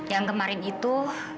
yang kemarin itu